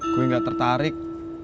gue gak tertarik